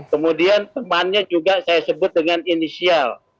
kemudian temannya juga saya sebut dengan inisial